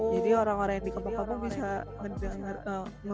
jadi orang orang yang di kampung bisa menggunakan